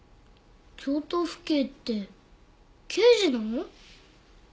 京都府警って刑事なの？